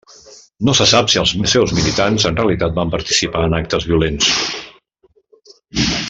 No se sap si els seus militants en realitat van participar en actes violents.